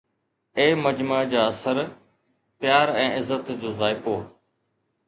اي مجمع جا سر! پيار ۽ عزت جو ذائقو؟